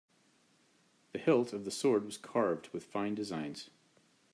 The hilt of the sword was carved with fine designs.